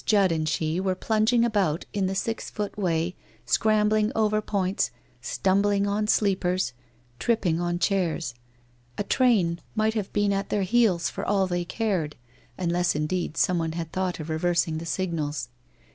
Judd and she were plunging about in the six foot way, scrambling over points, stumbling on sleepers, tripping on chairs. A train might have been 236 WHITE ROSE OF WEARY LEAF at their heels for all that they cared, unless indeed some one had thought of reversing the signals.